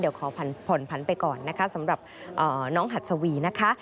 เดี๋ยวขอผ่อนผันไปก่อนนะคะสำหรับน้องหัดสวีนะคะ